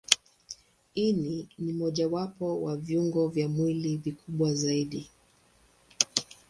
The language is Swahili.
Ini ni mojawapo wa viungo vya mwili vikubwa zaidi.